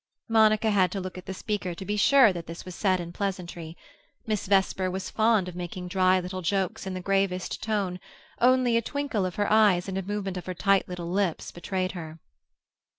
Monica had to look at the speaker to be sure that this was said in pleasantry. Miss Vesper was fond of making dry little jokes in the gravest tone; only a twinkle of her eyes and a movement of her tight little lips betrayed her.